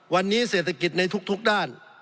วันนี้เศรษฐกิจในทุกด้าน